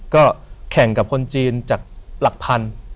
ก็แข่งกับคนจีนจากหลักพัน